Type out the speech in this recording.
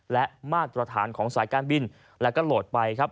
และมาตรฐานของสายการบินและก็โหลดไปครับ